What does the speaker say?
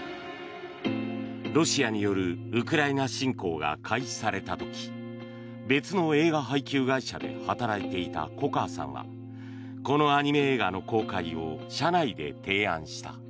ロシアによるウクライナ侵攻が開始された時別の映画配給会社で働いていた粉川さんはこのアニメ映画の公開を社内で提案した。